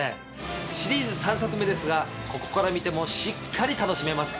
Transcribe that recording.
シリーズ３作目ですがここから見てもしっかり楽しめます。